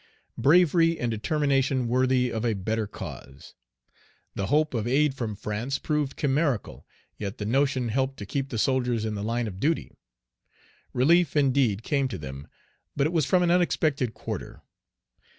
Bravery and determination worthy of a better cause! The hope of aid from France proved chimerical, yet the notion helped to keep the soldiers in the line of duty. Relief, indeed, came to them, but it was from an unexpected quarter.